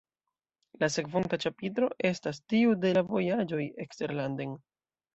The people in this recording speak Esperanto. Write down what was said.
La sekvonta ĉapitro estas tiu de la vojaĝoj eksterlanden.